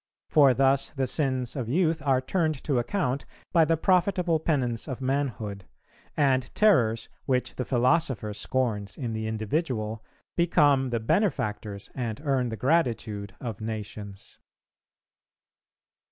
For thus the sins of youth are turned to account by the profitable penance of manhood; and terrors, which the philosopher scorns in the individual, become the benefactors and earn the gratitude of nations.